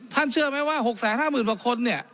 ท่านเชื่อไหมว่า๖๕๐๐๐๐บาทคน